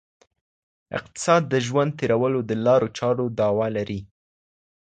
اقتصاد د ژوند تېرولو د لارو چارو دعوه لري.